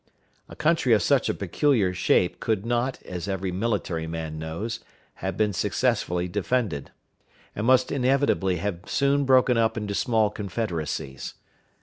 A country of such a peculiar shape could not, as every military man knows, have been successfully defended, and must inevitably have soon broken up into small confederacies.